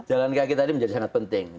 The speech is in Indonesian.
jalan kaki tadi menjadi sangat penting